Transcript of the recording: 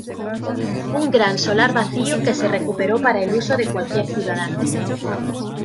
Un gran solar vacío que se recuperó para el uso de cualquier ciudadano.